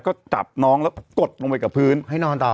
ก็จับน้องแล้วกดลงไปกับพื้นให้นอนต่อ